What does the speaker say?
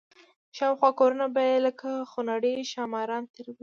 شاوخوا کورونه به یې لکه خونړي ښامار تېرول.